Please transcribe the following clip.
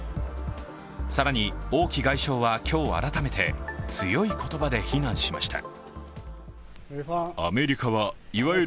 更に王毅外相は今日改めて強い言葉で非難しました。